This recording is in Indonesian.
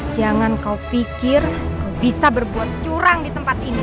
jangan kau pikir kau bisa berbuat curang di tempat ini